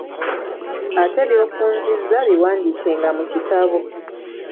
Ate by'ofunzizza, biwandiikenga mu kitabo.